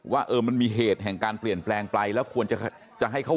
ว่ามันมีเหตุแผงการเปลี่ยนแปลงไปแล้วควรจะค่อยจะให้เขา